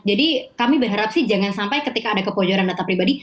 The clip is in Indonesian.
jadi kami berharap sih jangan sampai ketika ada kepojoran data pribadi